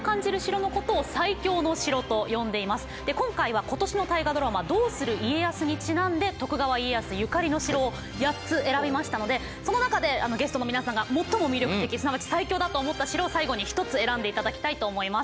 で今回は今年の大河ドラマ「どうする家康」にちなんで徳川家康ゆかりの城を８つ選びましたのでその中でゲストの皆さんが最も魅力的すなわち最強だと思った城を最後に１つ選んで頂きたいと思います。